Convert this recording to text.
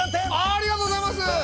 ありがとうございます！